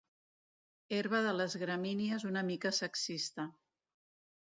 Herba de les gramínies una mica sexista.